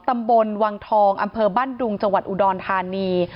ตำบลวังทองอำเภอบ้านดุงจังหวัดอุดรธานี